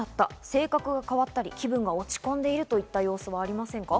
性格が変わったり、気分が落ち込んでいるといった様子はありませんか？